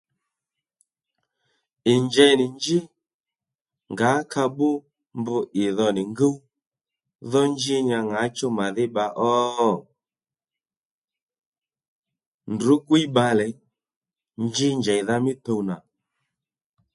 Ì njey nì njí ngǎ ka bbú mb ì dho nì ngúw dho njí nya ŋǎchú màdhí bba ó? Ndrǔ gwíy bbalè njí njèydha mí tuw nà